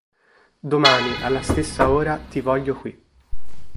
Domani, alla stessa ora, ti voglio qui.